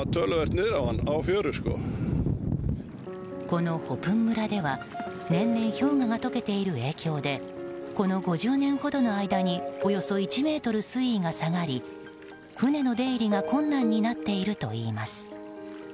このホプン村では年々、氷河が解けている影響でこの５０年ほどの間におよそ１ｍ、水位が下がり船の出入りが困難になっているといいます。